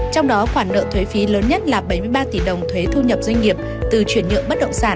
trong đó khoản nợ thuế phí lớn nhất là bảy mươi ba tỷ đồng thuế thu nhập doanh nghiệp từ chuyển nhượng bất động sản